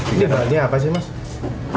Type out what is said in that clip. ini bahannya apa sih mas